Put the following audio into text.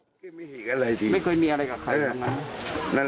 ไม่เคยมีอะไรกับใครกัน